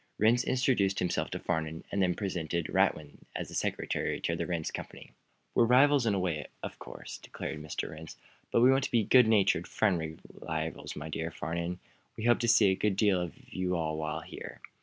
Rhinds introduced himself to Farnum, then presented Radwin as secretary to the Rhinds Company. "We're rivals in a way, of course," declared Mr. Rhinds. "But we want to be good natured, friendly rivals, my dear Farnum. We hope to see a good deal of you all while here."